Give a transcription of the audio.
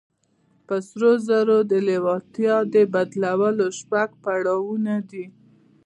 پر سرو زرو د لېوالتیا د بدلولو شپږ پړاوونه دي.